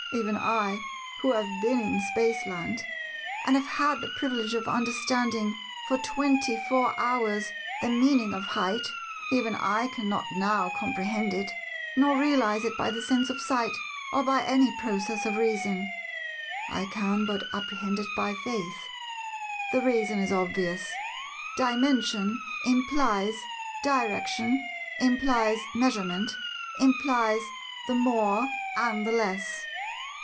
Even I—who have been in Spaceland, and have had the privilege of understanding for twenty four hours the meaning of 'height'—even I cannot now comprehend it, nor realize it by the sense of sight or by any process of reason; I can but apprehend it by faith. "The reason is obvious. Dimension implies direction, implies measurement, implies the more and the less.